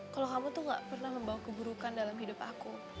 kalau kamu tuh gak pernah membawa keburukan dalam hidup aku